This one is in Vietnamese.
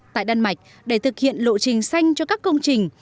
tại đan mạch để thực hiện lộ trình xanh cho các công trình